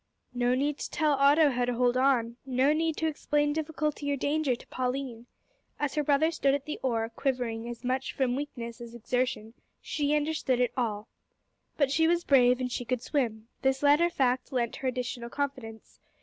No need to tell Otto now to hold on! No need to explain difficulty or danger to Pauline! As her brother stood at the oar, quivering as much from weakness as exertion, she understood it all. But she was brave, and she could swim. This latter fact lent her additional confidence.